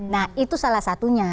nah itu salah satunya